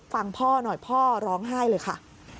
ฟังพ่อหน่อยพ่อร้องไห้เลยค่ะ